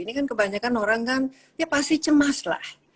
ini kan kebanyakan orang pasti cemas lah